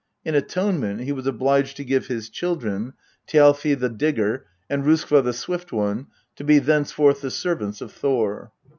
In atonement he was obliged to give his children, Thialfi the Digger and Roskva the Swift One, to be thenceforth the servants of Thor.